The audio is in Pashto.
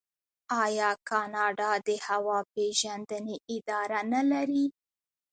آیا کاناډا د هوا پیژندنې اداره نلري؟